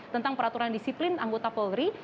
tentang peraturan disiplin anggota polri